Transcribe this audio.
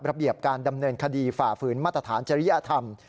ระเบียบการดำเนินคดีฝ่าฝืนมาตรฐานจริยธรรม